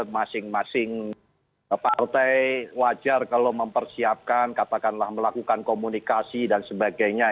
masing masing partai wajar kalau mempersiapkan katakanlah melakukan komunikasi dan sebagainya